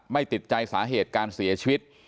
ติดใจสาเหตุการเสียชีวิต